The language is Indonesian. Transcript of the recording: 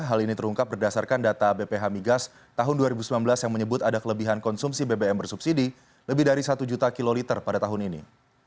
hal ini terungkap berdasarkan data bph migas tahun dua ribu sembilan belas yang menyebut ada kelebihan konsumsi bbm bersubsidi lebih dari satu juta kiloliter pada tahun ini